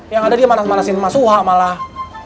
yang ada dia manas manasin maksuha malah